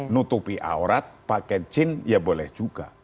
nutupi aurat pakai jin ya boleh juga